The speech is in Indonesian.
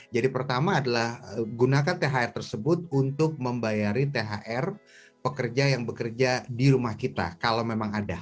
jadi pertama adalah gunakan thr tersebut untuk membayari thr pekerja yang bekerja di rumah kita kalau memang ada